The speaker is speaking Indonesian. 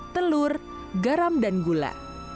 telur garam dan gula